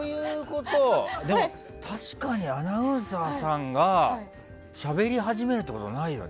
でも確かにアナウンサーさんがしゃべり始めるってことはないよね。